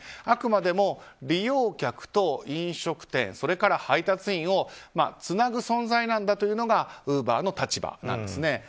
あくまでも利用客と飲食店それから配達員をつなぐ存在なんだというのがウーバーの立場なんですね。